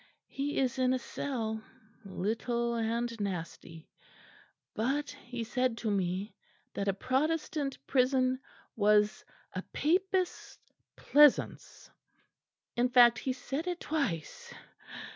He is in a cell, little and nasty; but he said to me that a Protestant prison was a Papist's pleasaunce in fact he said it twice.